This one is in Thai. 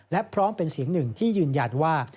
และพร้อมเป็นเสียงหนึ่งที่ยืนยันว่า